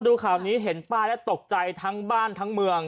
ดูข่าวนี้เห็นป้ายแล้วตกใจทั้งบ้านทั้งเมือง